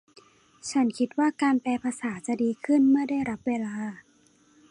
ฉันคิดว่าการแปลภาษาจะดีขึ้นเมื่อได้รับเวลา